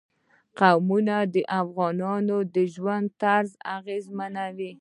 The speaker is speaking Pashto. قومونه د افغانانو د ژوند طرز اغېزمنوي.